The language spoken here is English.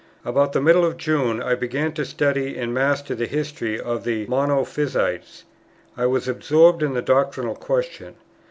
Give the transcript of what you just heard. About the middle of June I began to study and master the history of the Monophysites. I was absorbed in the doctrinal question.